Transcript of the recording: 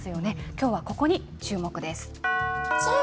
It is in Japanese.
きょうはここに注目です。